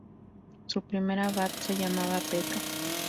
Su primer abad se llamaba Pedro.